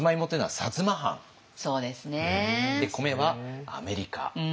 で「米」はアメリカ。